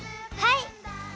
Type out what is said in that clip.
はい！